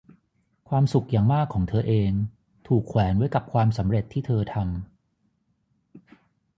ความสุขอย่างมากของเธอเองถูกแขวนไว้กับความสำเร็จที่เธอทำ